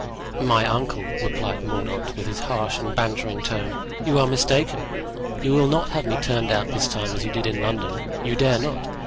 "My uncle," replied Mordaunt, with his harsh and bantering tone, "you are mistaken; you will not have me turned out this time as you did in London—you dare not.